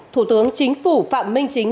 thủ tướng chính phủ phạm minh chính